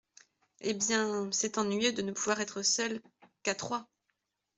Eh bien, c’est ennuyeux de ne pouvoir être seuls… qu’à trois !…